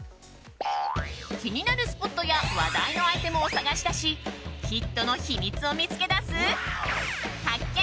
気になるスポットや話題のアイテムを探し出しヒットの秘密を見つけ出す発見！